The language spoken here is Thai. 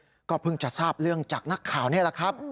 แล้วก็เพิ่งจะทราบเรื่องจากนักข่าวนี่แหละครับ